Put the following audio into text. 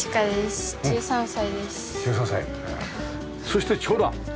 そして長男？